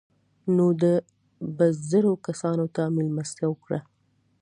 نو ده به زرو کسانو ته مېلمستیا وکړه.